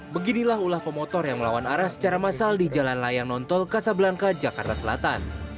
beginilah ulah pemotor yang melawan arah secara massal di jalan layang nontol kasablangka jakarta selatan